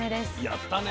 やったね。